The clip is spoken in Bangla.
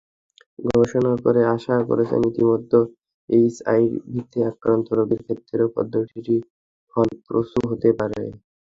গবেষকেরা আশা করছেন, ইতিমধ্যে এইচআইভিতে আক্রান্ত রোগীর ক্ষেত্রেও পদ্ধতিটি ফলপ্রসূ হতে পারে।